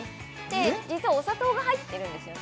実はお砂糖が入ってるんですよ